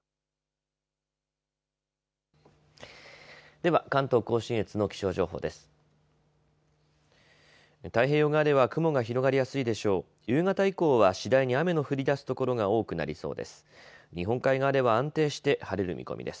では関東甲信越の気象情報です。